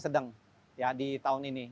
sedang di tahun ini